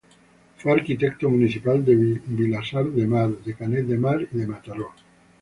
Fue arquitecto municipal de Vilasar de Mar, de Canet de Mar y de Mataró.